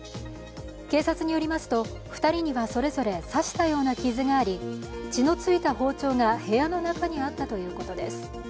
警察によりますと２人にはそれぞれ刺したような傷があり、血のついた包丁が部屋の中にあったということです。